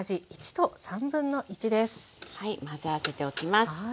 混ぜ合わせておきます。